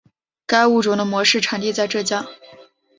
该物种的模式产地在浙江。